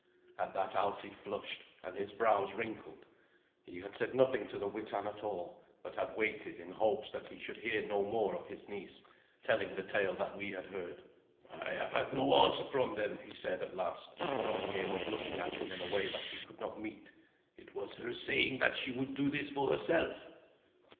At that Alsi flushed, and his brows wrinkled. He had said nothing to the Witan at all, but had waited in hopes that he should hear no more of his niece, telling the tale that we had heard. "I have had no answer from them," he said at last, for Arngeir was looking at him in a way that he could not meet. "It was her saying that she would do this for herself."